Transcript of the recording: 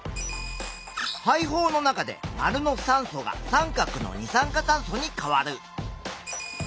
肺胞の中で●の酸素が▲の二酸化炭素に変わる。